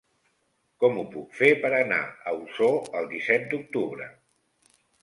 Com ho puc fer per anar a Osor el disset d'octubre?